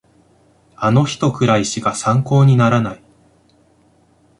あの人くらいしか参考にならない